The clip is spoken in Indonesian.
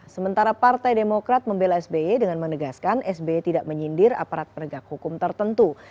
sementara partai demokrat membela sby dengan menegaskan sby tidak menyindir aparat penegak hukum tertentu